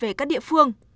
về các địa phương